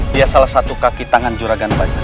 dia salah satu kaki tangan juragan bajo